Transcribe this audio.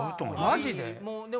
マジで？